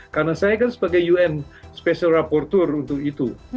karena saya kan sebagai un special rapporteur untuk itu